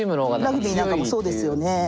ラグビーなんかもそうですよね。